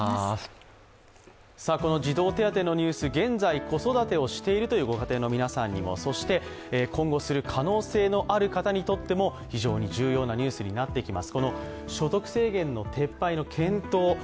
児童手当のニュース、現在、子育てをしているというご家庭の皆さんにもそして今後する可能性にとっても非常に重要なニュースになってきます。